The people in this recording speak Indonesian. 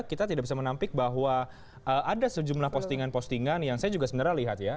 kita tidak bisa menampik bahwa ada sejumlah postingan postingan yang saya juga sebenarnya lihat ya